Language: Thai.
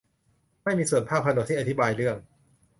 ไม่มีส่วนภาคผนวกที่อธิบายเรื่อง